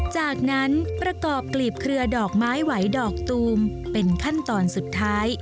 จากนั้นประกอบกลีบเครือดอกไม้ไหวดอกตูมเป็นขั้นตอนสุดท้าย